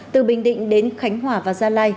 từ bình định đến khánh hỏa và gia lai